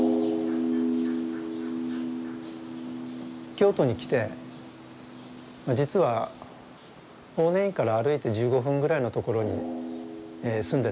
京都に来て実は法然院から歩いて１５分ぐらいの所に住んでたんですね。